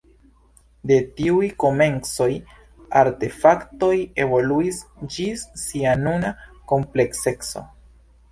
De tiuj komencoj, artefaktoj evoluis ĝis sia nuna komplekseco.